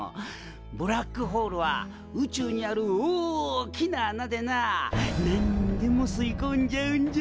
ブラックホールは宇宙にある大きな穴でな何でも吸いこんじゃうんじゃぞ！